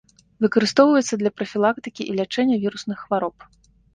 Выкарыстоўваецца для прафілактыкі і лячэння вірусных хвароб.